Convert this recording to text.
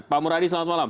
pak muradi selamat malam